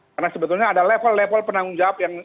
karena sebetulnya ada level level penanggung jawab